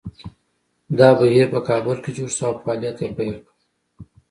دا بهیر په کابل کې جوړ شو او فعالیت یې پیل کړ